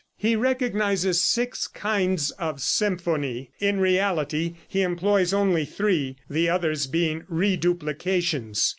He recognizes six kinds of symphony; in reality he employs only three, the others being reduplications.